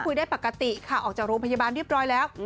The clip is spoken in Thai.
ได้ปกติค่ะออกจากโรงพยาบาลเรียบร้อยแล้ว